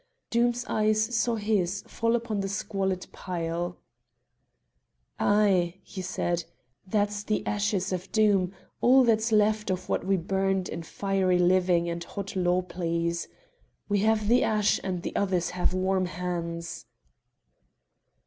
Doom's eyes saw his fall upon the squalid pile. "Ay!" he said, "that's the ashes of Doom, all that's left of what we burned in fiery living and hot law pleas. We have the ash and the others have warm hands."